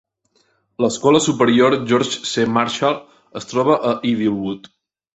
L'escola superior George C. Marshall es troba a Idylwood.